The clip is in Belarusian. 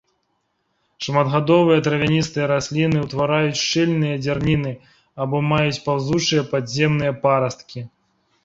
Шматгадовыя травяністыя расліны, утвараюць шчыльныя дзярніны або маюць паўзучыя падземныя парасткі.